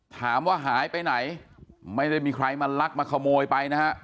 ถามว่าหายไปไหนไม่ได้มีใครมาลักมาขโมยไปนะฮะ